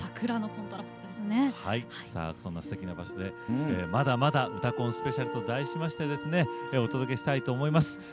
そんな、すてきな場所で「まだまだ『うたコン』スペシャル」と題しましてお届けしたいと思います。